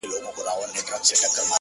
• ستا شاعرۍ ته سلامي كومه؛